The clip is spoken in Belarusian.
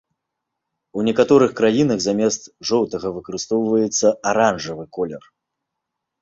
У некаторых краінах замест жоўтага выкарыстоўваецца аранжавы колер.